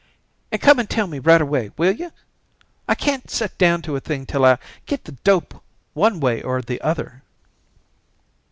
"And come and tell me right away, will you? I can't set down to a thing till I get the dope one way or the other."